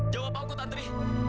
jawab aku santri